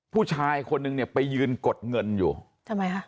ผู้ชายคนนึงเนี่ยไปยืนกดเงินอยู่ทำไมฮะ